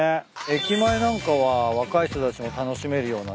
駅前なんかは若い人たちも楽しめるようなね